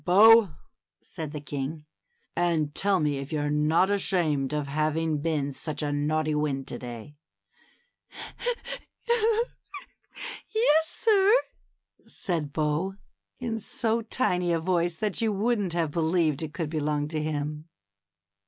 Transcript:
Bo !" said the king, and tell me if you're not ashamed of having been such a naughty wind to day?" ^^Yes, sir," said Bo, in so tiny a voice that you wouldn't have believed it could belong to him.